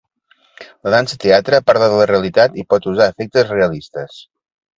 La dansa-teatre parla de la realitat i pot usar efectes realistes.